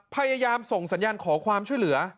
พยายามส่งสัญญาณขอความช่วยเหลือ